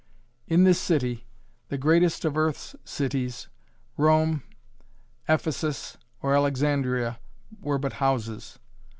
In this city, the greatest of earth's cities Rome, Ephesus or Alexandria, were but houses.